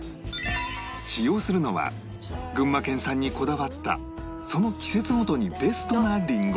使用するのは群馬県産にこだわったその季節ごとにベストなりんご